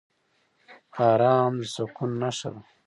ارام د سکون نښه ده.